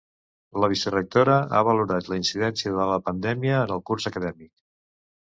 La vicerectora ha valorat la incidència de la pandèmia en el curs acadèmic.